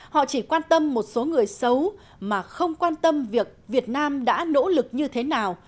họ chỉ quan tâm một số người xấu mà không quan tâm việc việt nam đã nỗ lực như thế nào